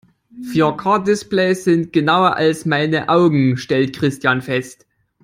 Vier-K-Displays sind genauer als meine Augen, stellt Christian fest.